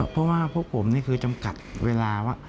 เพราะว่าพวกผมนี่คือจำกัดเวลาว่า